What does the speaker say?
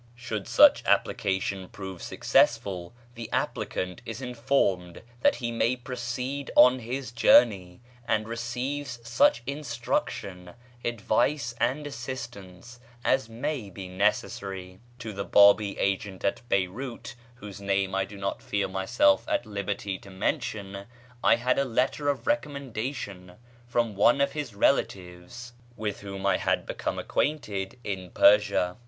Should such application prove successful, the applicant is informed that he may proceed on his journey, and receives such instruction, advice, and assistance as may be necessary. To the Bábí agent at Beyrout (whose name I do not feel myself at liberty to mention) I had a letter of recommendation from one of his relatives with whom I had become acquainted in Persia.